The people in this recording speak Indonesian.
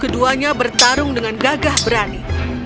keduanya bertarung dengan gagah berani